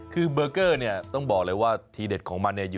คือเบอร์เกอร์เนี่ยต้องบอกเลยว่าทีเด็ดของมันเนี่ย